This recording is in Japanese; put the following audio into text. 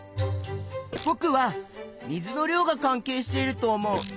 ぼくは水の量が関係していると思う。